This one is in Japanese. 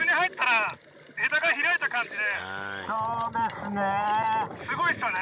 そうですね。